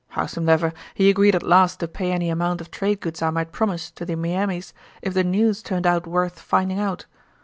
Howsumdever, he agreed at last to pay any amount of trade goods I might promise to the Miamis if the news turned out worth finding out.